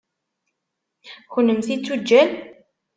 Kennemti d tuǧǧal?